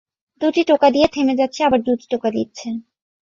দুটি টোকা দিয়ে থেমে যাচ্ছে, আবার দুটি টোকা দিচ্ছে।